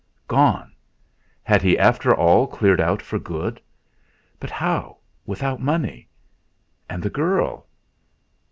Gone! Had he after all cleared out for good? But how without money? And the girl?